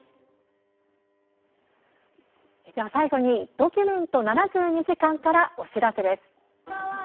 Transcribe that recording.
最後に「ドキュメント７２時間」からお知らせです。